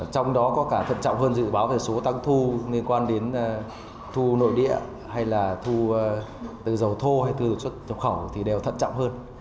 trong đó có cả thận trọng hơn dự báo về số tăng thu liên quan đến thu nội địa hay là thu từ dầu thô hay từ xuất nhập khẩu thì đều thận trọng hơn